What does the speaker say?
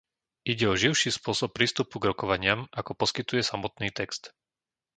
Ide o živší spôsob prístupu k rokovaniam ako poskytuje samotný text.